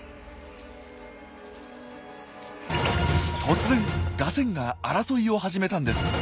突然ガセンが争いを始めたんです。